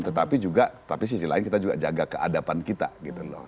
tetapi juga tapi sisi lain kita juga jaga keadapan kita gitu loh